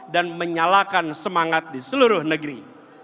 dan menyalakan semangat di seluruh negeri